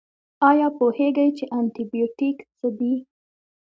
ایا پوهیږئ چې انټي بیوټیک څه دي؟